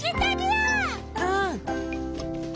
うん！